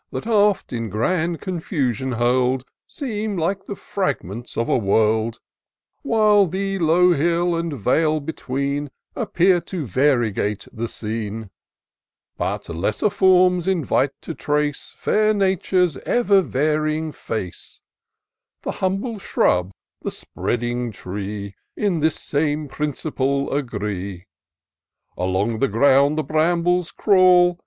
That oft, in grand confusion hurl'd, Seem Kke the fragments of a world; While the low hill and vale between, Appear to variegate the scene* But lesser forms invite to trace Fair Nature's ever varying face : The humble shrub, the spreading tree. In this same principle agree. Along the ground the brambles crawl.